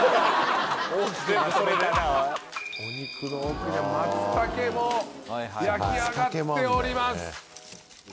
お肉の奥にはマツタケも焼き上がっております。